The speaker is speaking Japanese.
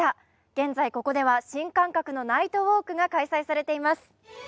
現在ここでは新感覚のナイトウォークが開催されています。